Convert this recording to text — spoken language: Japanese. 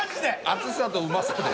熱さとうまさで。